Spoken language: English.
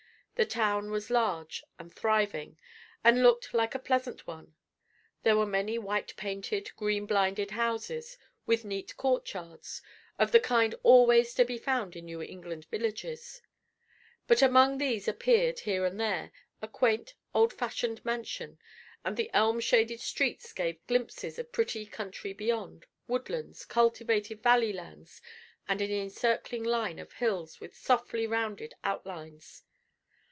The town was large and thriving, and looked like a pleasant one. There were many white painted, green blinded houses, with neat court yards, of the kind always to be found in New England villages; but among these appeared, here and there, a quaint, old fashioned mansion; and the elm shaded streets gave glimpses of pretty country beyond, woodlands, cultivated valley lands, and an encircling line of hills with softly rounded outlines.